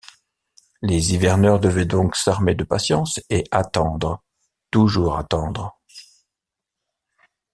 Les hiverneurs devaient donc s’armer de patience et attendre, toujours attendre !